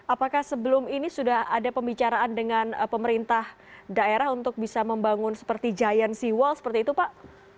apakah sebelum ini sudah ada pembicaraan dengan pemerintah daerah untuk bisa membangun seperti giant seawall seperti itu pak